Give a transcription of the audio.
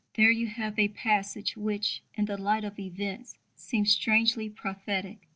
There you have a passage which, in the light of events, seems strangely prophetic.